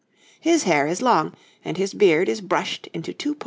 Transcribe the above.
His hair is long, and his beard is brushed into two points.